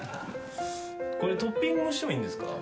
これトッピングもしてもいいんですか？